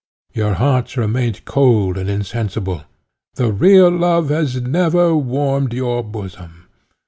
Your hearts remained cold and insensible; the real love has never warmed your bosom.